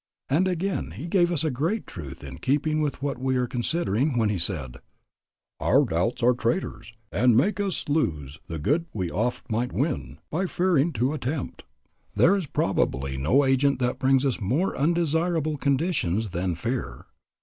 And again he gave us a great truth in keeping with what we are considering when he said: "Our doubts are traitors, And make us lose the good we oft might win By fearing to attempt." There is probably no agent that brings us more undesirable conditions than fear.